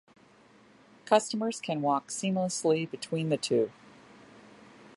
Customers can walk seamlessly between the two.